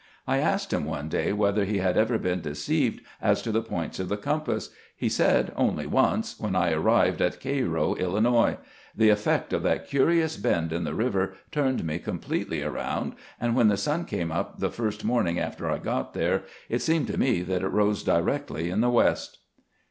I asked him, one day, whether he had ever been deceived as to the points of the compass. He said :" Only once — when I arrived at Cairo, Illinois. The effect of that curious bend in the river turned me completely around, and when the sun came up the first morning after I got there, it seemed to me that it rose directly in the west."